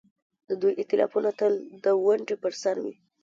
د دوی ائتلافونه تل د ونډې پر سر وي.